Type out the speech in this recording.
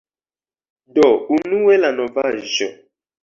Do unue la novaĵo